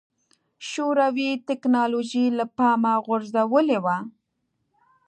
شوروي ټکنالوژي له پامه غورځولې وه.